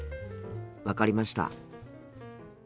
分かりました。